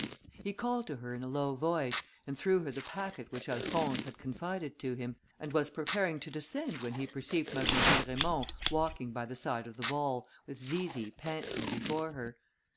He called to her in a low voice, and threw her the packet which Alphonse had confided to him, and was preparing to descend, when he perceived Mademoiselle Raymond walking by the side of the wall, with Zizi panting before her.